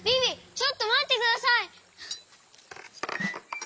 ちょっとまってください！